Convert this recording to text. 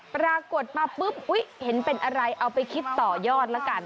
ปรากฏมาปุ๊บอุ๊ยเห็นเป็นอะไรเอาไปคิดต่อยอดแล้วกัน